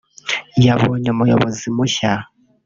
yabonye umuyobozi mushya